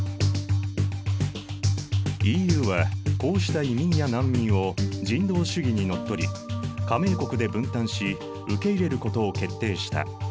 ＥＵはこうした移民や難民を人道主義にのっとり加盟国で分担し受け入れることを決定した。